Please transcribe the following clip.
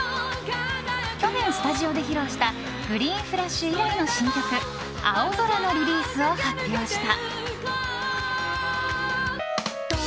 去年、スタジオで披露した「ＧＲＥＥＮＦＬＡＳＨ」以来の新曲「アオゾラ」のリリースを発表した。